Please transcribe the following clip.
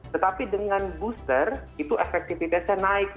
tetapi dengan booster itu efektivitasnya lebih tinggi